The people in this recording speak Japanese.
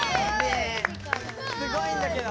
すごいんだけど。